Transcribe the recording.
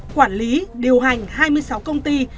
quản lý điều hành hai mươi sáu công ty